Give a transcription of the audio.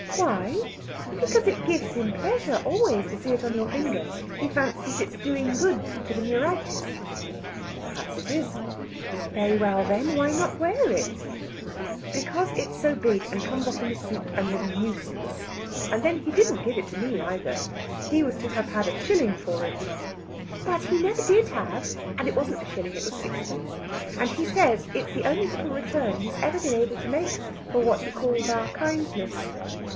"Why? Because it gives him pleasure always to see it on your finger he fancies it's doing good to the neuritis." "Perhaps it is." "Very well, then; why not wear it?" "Because it's so big, and comes off in the soup, and is a nuisance. And, then, he didn't give it to me, either. He was to have had a shilling for it." "But he never did have it. And it wasn't a shilling. It was sixpence. And he says it's the only little return he's ever been able to make for what he calls our kindness."